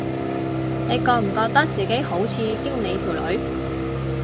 你覺唔覺得自己好似經理條女